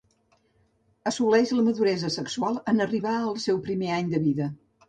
Assoleix la maduresa sexual en arribar al seu primer any de vida.